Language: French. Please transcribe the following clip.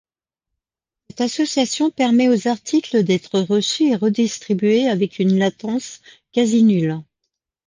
Cette association permet aux articles d'être reçus et redistribués avec une latence quasi nulle.